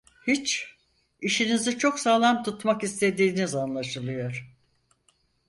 Hiç; işinizi çok sağlam tutmak istediğiniz anlaşılıyor.